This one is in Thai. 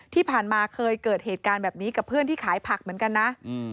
ที่ผ่านมาเคยเกิดเหตุการณ์แบบนี้กับเพื่อนที่ขายผักเหมือนกันนะ